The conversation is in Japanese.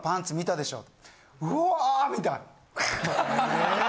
うわぁみたい。え！？